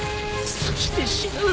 そして死ぬ。